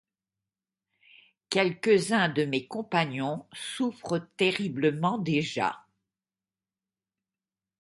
Quelques-uns de mes compagnons souffrent terriblement déjà.